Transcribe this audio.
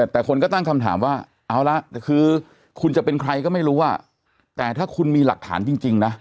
แต่คนก็ตั้งคำถามว่าเอาละคือคุณจะเป็นใครก็ไม่รู้แต่ถ้าคุณมีหลักฐานจริงนะ